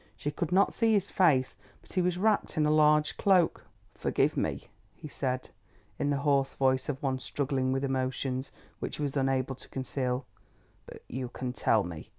She could not see his face, but he was wrapped in a large cloak. "Forgive me," he said in the hoarse voice of one struggling with emotions which he was unable to conceal, "but you can tell me.